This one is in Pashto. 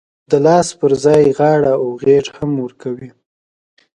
د لاس پر ځای غاړه او غېږ هم ورکوي.